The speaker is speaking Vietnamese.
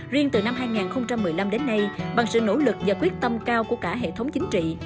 riêng từ năm hai nghìn một mươi năm đến nay bằng sự nỗ lực và quyết tâm cao của cả hệ thống chính trị